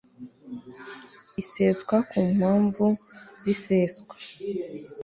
iseswa ku mpamvu z iseswa